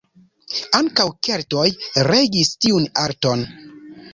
Ankaŭ keltoj regis tiun arton.